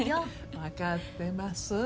分かってます。